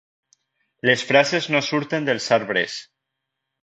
Les frases no surten dels arbres.